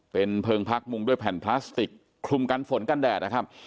เป็นเพลิงพักมุงด้วยแผ่นพลาสติกคลุมกันฝนกันแดดนะครับ